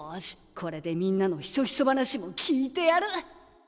これでみんなのひそひそ話も聞いてやる！